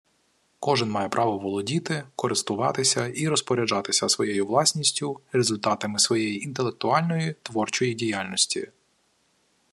Кожен має право володіти, користуватися і розпоряджатися своєю власністю, результатами своєї інтелектуальної, творчої діяльності